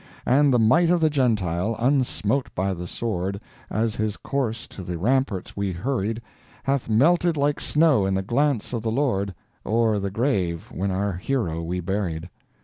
And the might of the Gentile, unsmote by the sword, As his corse to the ramparts we hurried, Hath melted like snow in the glance of the Lord, O'er the grave when our hero we buried.